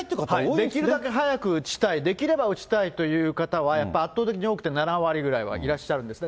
できるだけ早く打ちたい、できれば打ちたいという方は、やっぱり圧倒的に多くて７割ぐらいはいらっしゃるんですね。